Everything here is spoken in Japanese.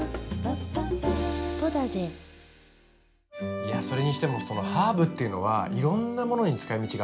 いやそれにしてもハーブっていうのはいろんなものに使いみちがあっていいですね。